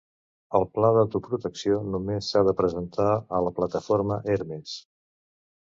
El pla d'autoprotecció només s'ha de presentar a la plataforma Hermes.